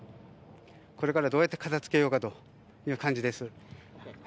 これからどうやって片づけようかという感じです。